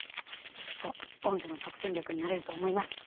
きっと御社の即戦力になれると思います。